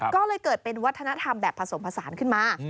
ก็เลยเกิดเป็นวัฒนธรรมแบบผสมผสานขึ้นมา